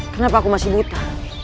kenapa aku masih buta